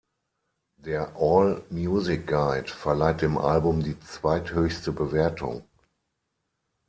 Der "All Music Guide" verleiht dem Album die zweithöchste Bewertung.